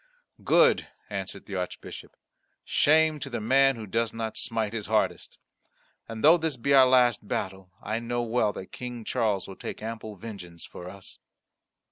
"Good," answered the Archbishop. "Shame to the man who does not smite his hardest. And though this be our last battle, I know well that King Charles will take ample vengeance for us."